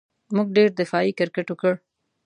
موږ ډېر دفاعي کرېکټ وکړ.